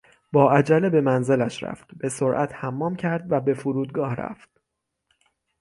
با عجله به منزلش رفت، به سرعت حمام کرد و به فرودگاه رفت.